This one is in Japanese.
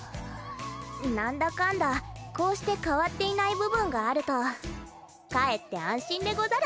なんだかんだこうして変わっていない部分があるとかえって安心でござる。